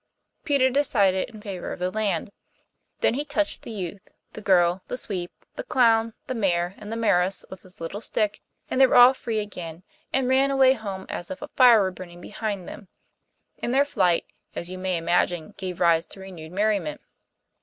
Peter decided in favour of the land. Then he touched the youth, the girl, the sweep, the clown, the Mayor, and the Mayoress with his little stick, and they were all free again, and ran away home as if a fire were burning behind them; and their flight, as you may imagine, gave rise to renewed merriment.